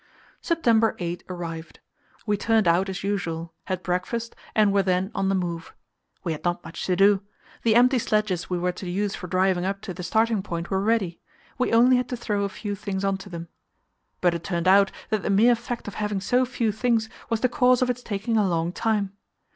September 8 arrived. We turned out as usual, had breakfast, and were then on the move. We had not much to do. The empty sledges we were to use for driving up to the starting point were ready; we only had to throw a few things on to them. But it turned out that the mere fact of having so few things was the cause of its taking a long time.